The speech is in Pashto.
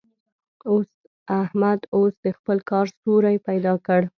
احمد اوس د خپل کار سوری پيدا کړ.